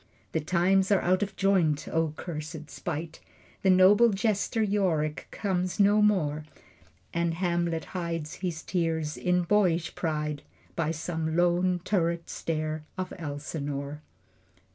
The times are out of joint! O cursed spite! The noble jester Yorick comes no more. And Hamlet hides his tears in boyish pride By some lone turret stair of Elsinore.